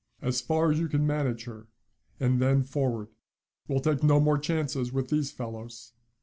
"As far as you can manage her, and then forward. We'll take no more chances with these fellows."